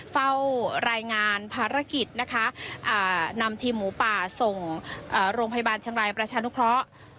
เฝ้ารายงานภารกิจนะคะนำทีมหมูป่าส่งโรงพยาบาลเชียงรายประชานุเคราะห์